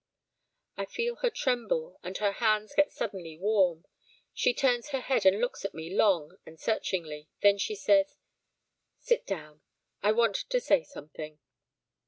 I feel her tremble and her hands get suddenly warm. She turns her head and looks at me long and searchingly, then she says 'Sit down, I want to say something!'